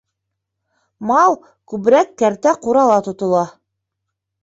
Мал күберәк кәртә-ҡурала тотола.